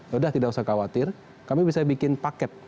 sudah tidak usah khawatir kami bisa bikin paket